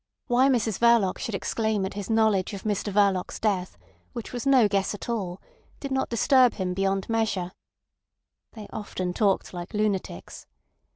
Why Mrs Verloc should exclaim at his knowledge of Mr Verloc's death, which was no guess at all, did not disturb him beyond measure. They often talked like lunatics.